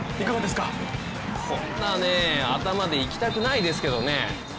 こんなね、頭でいきたくないですけどね。